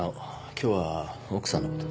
今日は奥さんのことで。